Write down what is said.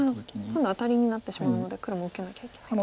今度アタリになってしまうので黒も受けなきゃいけない。